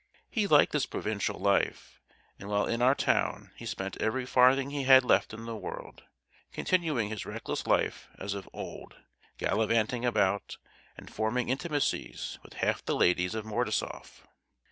He liked this provincial life, and while in our town he spent every farthing he had left in the world, continuing his reckless life as of old, galivanting about, and forming intimacies with half the ladies of Mordasoff.